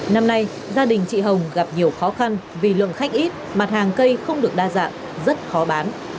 năm nay gia đình chị hồng gặp nhiều khó khăn vì lượng khách ít mặt hàng cây không được đa dạng rất khó bán